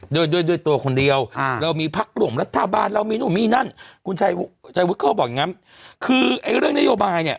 ด้วยด้วยตัวคนเดียวเรามีพักร่วมรัฐบาลเรามีนู่นมีนั่นคุณชัยวุฒิเขาบอกอย่างนั้นคือไอ้เรื่องนโยบายเนี่ย